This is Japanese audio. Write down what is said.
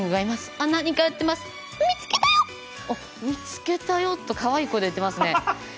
あ、見つけたよとかわいい声で言ってますね。